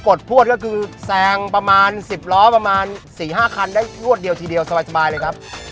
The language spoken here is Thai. ดพวดก็คือแซงประมาณ๑๐ล้อประมาณ๔๕คันได้รวดเดียวทีเดียวสบายเลยครับ